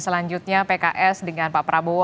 selanjutnya pks dengan pak prabowo